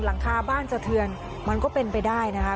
หลังคาบ้านสะเทือนมันก็เป็นไปได้นะคะ